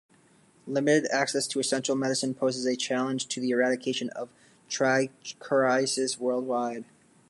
Limited access to essential medicine poses a challenge to the eradication of trichuriasis worldwide.